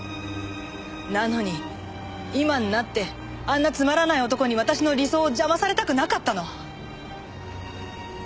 なのに今になってあんなつまらない男に私の理想を邪魔されたくなかったの。